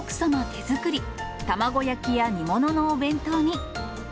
手作り、卵焼きや煮物のお弁当に。